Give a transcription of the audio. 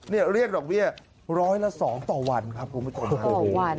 เนี่ยเรียกหรอกเบี้ย๑๐๐ละ๒ต่อวันครับคุณผู้ชมต่อวัน